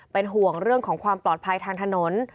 เป็นห่วงเรื่องของความปลอดภัยทางถนน